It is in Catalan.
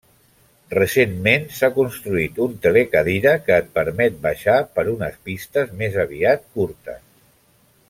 Recentment, s'ha construït un telecadira que et permet baixar per unes pistes més aviat curtes.